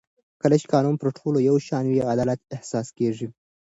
کله چې قانون پر ټولو یو شان وي عدالت احساس کېږي